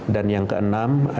dan yang keenam